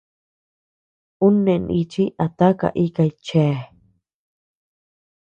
Ú neʼë nichi a taka ikay chea.